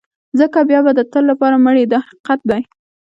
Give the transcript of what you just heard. ځکه بیا به د تل لپاره مړ یې دا حقیقت دی.